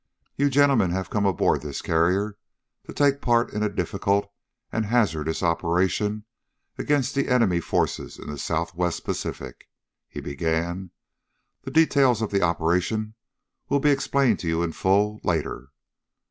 "You gentlemen have come aboard this carrier to take part in a difficult and hazardous operation against the enemy forces in the Southwest Pacific," he began. "The details of the operation will be explained to you in full, later.